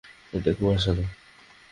এটা কুয়াশা না।